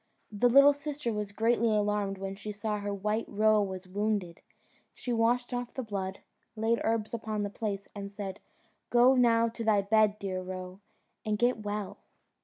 The little sister was greatly alarmed when she saw her white roe was wounded; she washed off the blood, laid herbs upon the place, and said, "Go now to thy bed, dear Roe, and get well."